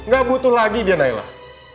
gak butuh lagi dia naiklah